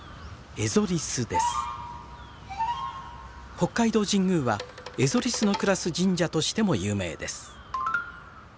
北海道神宮はエゾリスの暮らす神社としても有名です。